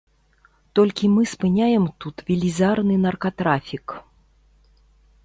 Толькі мы спыняем тут велізарны наркатрафік.